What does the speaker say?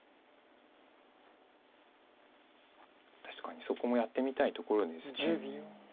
確かにそこもやってみたいところです。